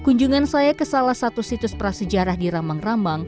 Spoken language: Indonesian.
kunjungan saya ke salah satu situs prasejarah di rambang rambang